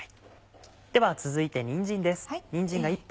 では続いてにんじんです。